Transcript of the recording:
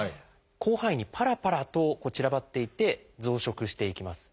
広範囲にパラパラと散らばっていて増殖していきます。